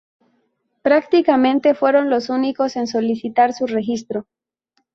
Prácticamente fueron los únicos en solicitar su registro.